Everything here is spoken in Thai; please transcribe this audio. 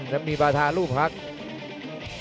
แล้วมีบาทารูปภักดิ์